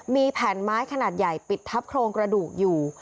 มีแผ่นไม้ขนาดใหญ่ปิดทับโครงกระดูกอยู่